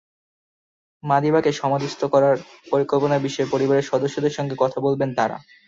মাদিবাকে সমাধিস্থ করার পরিকল্পনার বিষয়ে পরিবারের সদস্যদের সঙ্গে কথা বলবেন তাঁরা।